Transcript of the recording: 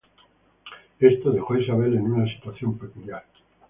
Esto dejó a Isabel en una situación peculiar.